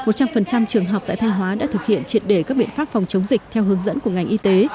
một trăm linh trường học tại thanh hóa đã thực hiện triệt để các biện pháp phòng chống dịch theo hướng dẫn của ngành y tế